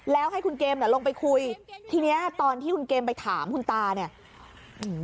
แล้วให้คุณเกมน่ะลงไปคุยทีเนี้ยตอนที่คุณเกมไปถามคุณตาเนี่ยอืม